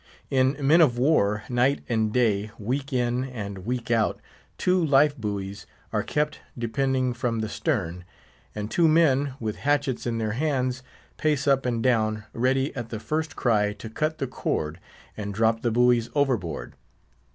In men of war, night and day, week in and week out, two life buoys are kept depending from the stern; and two men, with hatchets in their hands, pace up and down, ready at the first cry to cut the cord and drop the buoys overboard.